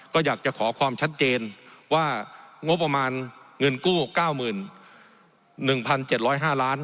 ก็อยากจะขอความชัดเจนว่างบประมาณเงินกู้๙๑๗๐๕ล้าน